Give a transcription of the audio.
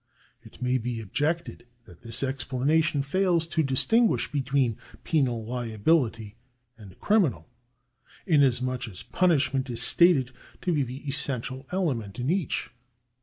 It may be objected that this explanation fails to distinguish between penal liability and criminal, inasmuch as punish ment is stated to be the essential element in each.